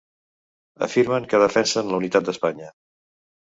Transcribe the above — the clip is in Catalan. Afirmen que defensen la unitat d’Espanya.